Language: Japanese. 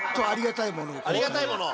ありがたいもの。